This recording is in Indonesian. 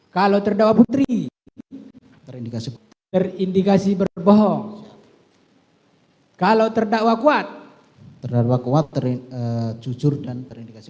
kalau terdakwa putri terindikasi berbohong kalau terdakwa kuat kuat terinjur dan terindikasi